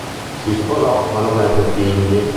Si sposò, ma non ebbe figli.